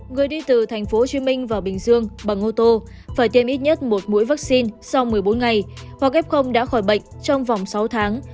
người đi từ tp hcm vào bình dương bằng ô tô phải tiêm ít nhất một mũi vaccine sau một mươi bốn ngày hoặc f đã khỏi bệnh trong vòng sáu tháng